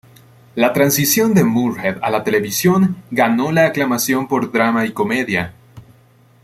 La transición de Moorehead a la televisión ganó la aclamación por drama y comedia.